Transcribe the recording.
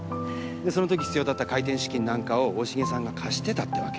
その時必要だった開店資金なんかを大重さんが貸してたってわけ。